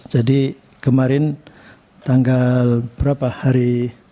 jadi kemarin tanggal berapa hari